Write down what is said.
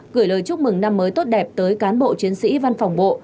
gửi lời chúc mừng năm mới tốt đẹp tới cán bộ chiến sĩ văn phòng bộ